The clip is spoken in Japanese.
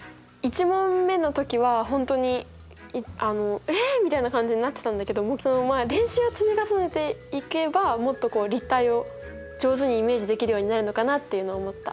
１問目の時は本当に「え！」みたいな感じになってたんだけど練習を積み重ねていけばもっと立体を上手にイメージできるようになるのかなっていうのを思った。